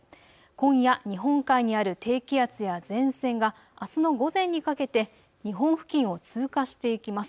今夜、日本海にある低気圧や前線があすの午前にかけて日本付近を通過していきます。